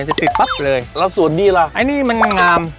มันจะติดปั๊บเลยแล้วส่วนนี่ล่ะไอ้นี่มันงาม